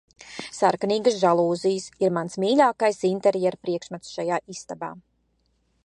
Sarkanīgas žalūzijas ir mans mīļākais interjera priekšmets šajā istabā